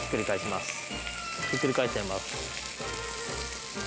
ひっくり返しちゃいます。